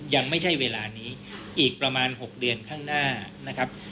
ยังไม่ใช่เวลานี้อีกประมาณ๖เดือนข้างหน้านะครับ